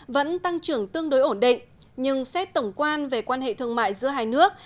vẫn tăng trưởng tương đối ổn định nhưng xét tổng quan về quan hệ thương mại giữa hai nước